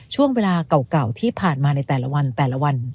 ช่วงเวลาเก่าที่ผ่านมาในแต่ละวัน